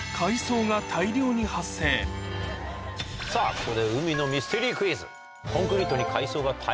ここで。